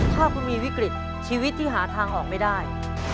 ถ้าคุณมีวิกฤตชีวิตที่หาทางออกไม่ได้